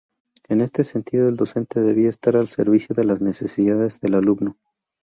En este sentido, el docente, debía estar al servicio de las necesidades del alumno.